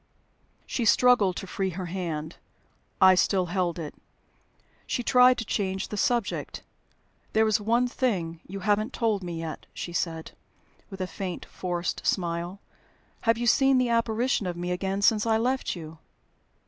She struggled to free her hand; I still held it. She tried to change the subject. "There is one thing you haven't told me yet," she said, with a faint, forced smile. "Have you seen the apparition of me again since I left you?"